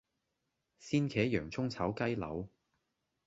鮮茄洋蔥炒雞柳